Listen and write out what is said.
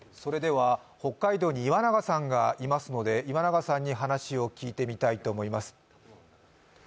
北海道に岩永さんがいますので、岩永さんに話を伺いたいと思います。